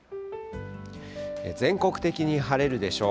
全国的に晴れるでしょう。